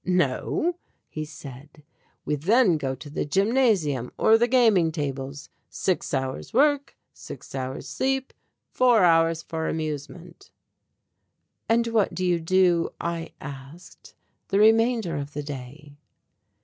"No," he said, "we then go to the gymnasium or the gaming tables. Six hours' work, six hours' sleep, and four hours for amusement." "And what do you do," I asked, "the remainder of the day?"